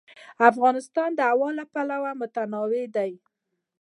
افغانستان د هوا له پلوه متنوع دی.